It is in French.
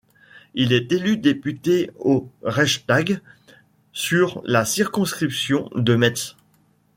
Il est élu député au Reichstag sur la circonscription de Metz.